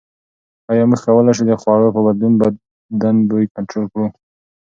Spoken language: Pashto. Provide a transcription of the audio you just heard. ایا موږ کولای شو د خوړو په بدلولو بدن بوی کنټرول کړو؟